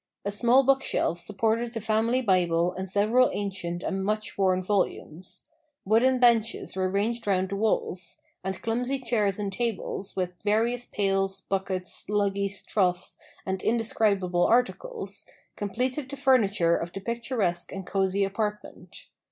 A small bookshelf supported the family Bible and several ancient and much worn volumes. Wooden benches were ranged round the walls; and clumsy chairs and tables, with various pails, buckets, luggies, troughs, and indescribable articles, completed the furniture of the picturesque and cosy apartment.